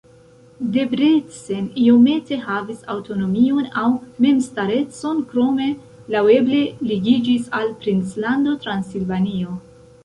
Debrecen iomete havis aŭtonomion aŭ memstarecon, krome laŭeble ligiĝis al princlando Transilvanio.